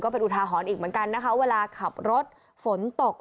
เป็นอุทาหรณ์อีกเหมือนกันนะคะเวลาขับรถฝนตก